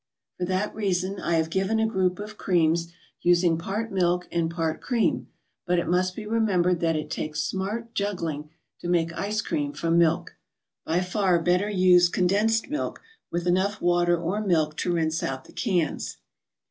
For that reason, I have given a group of creams, using part milk and part cream, but it must be remembered that it takes smart "juggling" to make ice cream from milk. By far better use condensed milk, with enough water or milk to rinse out the cans.